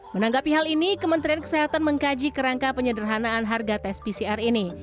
menanggapi hal ini kementerian kesehatan mengkaji kerangka penyederhanaan harga tes pcr ini